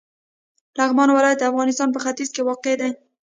لغمان ولایت د افغانستان په ختیځ کې واقع دی.